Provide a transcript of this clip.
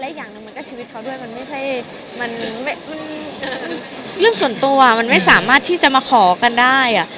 อีกอย่างหนึ่งมันก็ชีวิตเขาด้วยมันไม่ใช่มันเรื่องส่วนตัวมันไม่สามารถที่จะมาขอกันได้